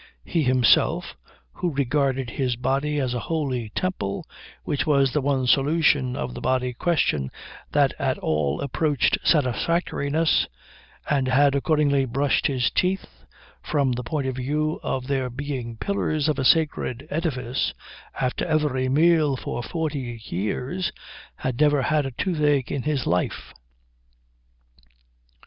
He himself, who regarded his body as a holy temple, which was the one solution of the body question that at all approached satisfactoriness, and had accordingly brushed his teeth, from the point of view of their being pillars of a sacred edifice, after every meal for forty years, had never had a toothache in his life.